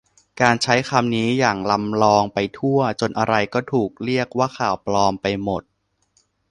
การใช้คำนี้อย่างลำลองไปทั่ว จนอะไรก็ถูกเรียกว่าข่าวปลอมไปหมด